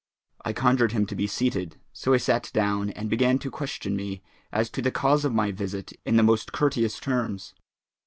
I conjured him to be seated; so he sat down and began to question me as to the cause of my visit in the most courteous terms.